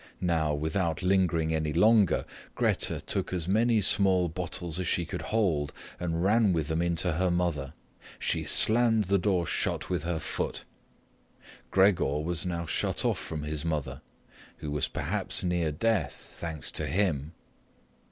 Now, without lingering any longer, Grete took as many small bottles as she could hold and ran with them into her mother. She slammed the door shut with her foot. Gregor was now shut off from his mother, who was perhaps near death, thanks to him.